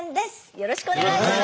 よろしくお願いします。